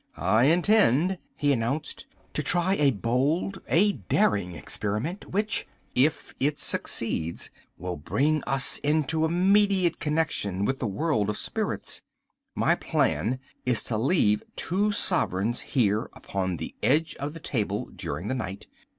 "I intend," he announced, "to try a bold, a daring experiment, which, if it succeeds, will bring us into immediate connection with the world of spirits. My plan is to leave two sovereigns here upon the edge of the table during the night.